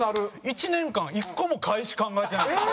１年間１個も返し考えてないんですよ。